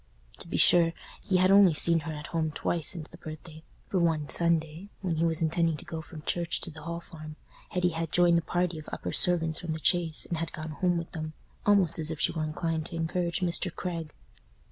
To be sure, he had only seen her at home twice since the birthday; for one Sunday, when he was intending to go from church to the Hall Farm, Hetty had joined the party of upper servants from the Chase and had gone home with them—almost as if she were inclined to encourage Mr. Craig.